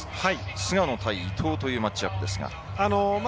菅野対伊藤というマッチアップですが。